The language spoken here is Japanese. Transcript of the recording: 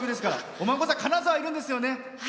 お孫さん、金沢にいるんですよね。